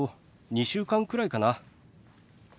２週間くらいかな。